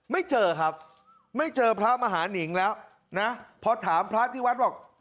ไม่เจอครับไม่เจอพระมหานิงแล้วนะพอถามพระที่วัดบอก